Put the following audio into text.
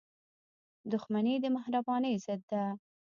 • دښمني د مهربانۍ ضد ده.